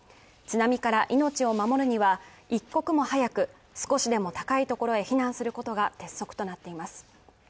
津波から命を守るには一刻も早く、少しでも高いところへ避難することが鉄則となっています。